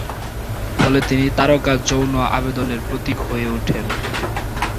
ফলে তিনি তারকা যৌন আবেদনের প্রতীক হয়ে ওঠেন।